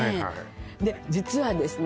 で実はですね